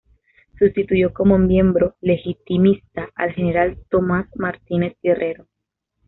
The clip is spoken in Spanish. Sustituyó como miembro "legitimista" al General Tomás Martínez Guerrero.